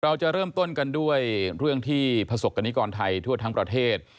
เราจะเริ่มต้นกันด้วยเรื่องที่ประสบกรณิกรไทยทั่วทั้งประเทศ